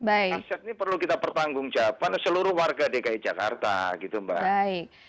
aset ini perlu kita pertanggung jawaban seluruh warga dki jakarta gitu mbak